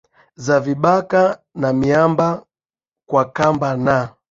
za vibaka na miamba kwa kamba na